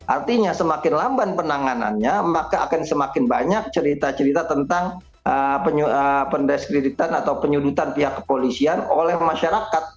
artinya semakin lamban penanganannya maka akan semakin banyak cerita cerita tentang pendeskreditan atau penyudutan pihak kepolisian oleh masyarakat